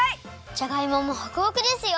じゃがいももホクホクですよ！